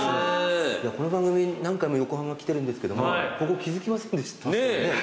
この番組何回も横浜来てるんですけどもここ気付きませんでした。